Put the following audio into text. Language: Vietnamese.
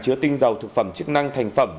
chứa tinh dầu thực phẩm chức năng thành phẩm